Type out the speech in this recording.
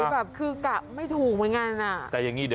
ใส่แบบคือกลับไม่ถูกเหมือนกันนะ